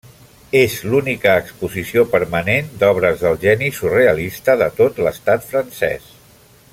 És l'única exposició permanent d'obres del geni surrealista de tot l'estat francès.